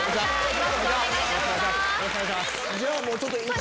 よろしくお願いします。